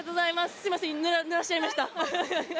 すいませんぬらしちゃいました。